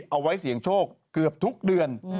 เอาไว้เสี่ยงโชคเกือบทุกเดือน